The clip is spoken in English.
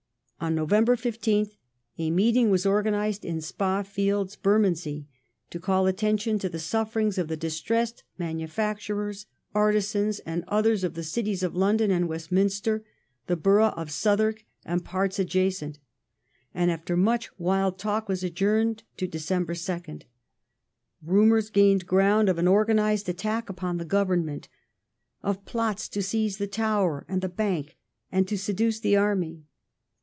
On November 15th a meeting was organized in Spa Fields, Bermondsey, to call attention to the sufferings of the " distressed manufacturers, artisans, and others of the Cities of London and Westminster, the Borough of Southwark, and parts adjacent," and after much wild talk was adjourned to December 2nd. Rumoui s gained ground of an organized attack upon the Govern ment; of plots to seize the Tower and the Bank, and to seduce the Army.